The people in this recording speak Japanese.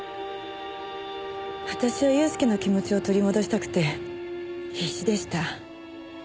私は祐介の気持ちを取り戻したくて必死でした。